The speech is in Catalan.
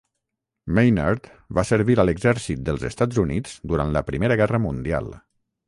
Maynard va servir a l'exèrcit dels Estats Units durant la Primera Guerra Mundial.